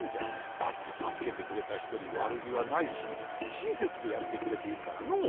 だってたすけてくれたひとにわるぎはないししんせつでやってくれているからのう。